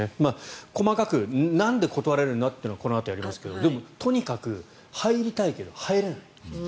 細かくなんで断られるのかというのはこのあとやりますがでも、とにかく入りたいけど入れない。